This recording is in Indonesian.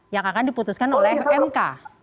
yang akan diputuskan oleh mk